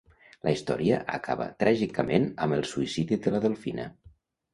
La història acaba tràgicament amb el suïcidi de la Delfina.